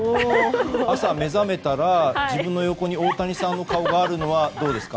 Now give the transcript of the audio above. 朝、目覚めたら自分の横に大谷さんの顔があるのはどうですか？